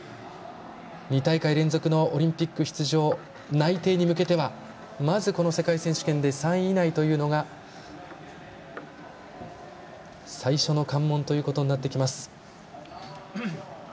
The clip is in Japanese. ２大会連続のオリンピック出場内定に向けてはまず、この世界選手権で３位以内というのが最初の関門ということになってきます。